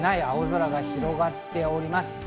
青空が広がっております。